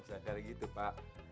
jangan dari gitu pak